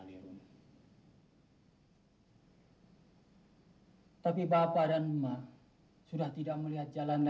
tetapi mereka tidak mengingat tahu anda